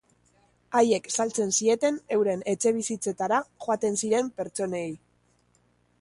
Haiek saltzen zieten euren etxebizitzetara joaten ziren pertsonei.